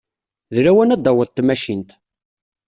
D lawan ad d-taweḍ tmacint.